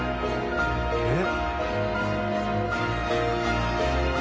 えっ？